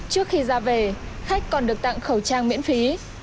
trước khi ra về khách còn được tặng khẩu trang miễn phí